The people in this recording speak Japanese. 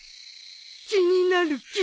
気になる木。